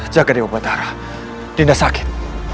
jaga di obat arah dinda sakit